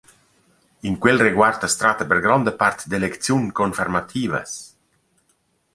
In quel reguard as tratta per gronda part d’elecziun confermativas.